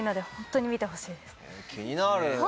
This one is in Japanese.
気になる！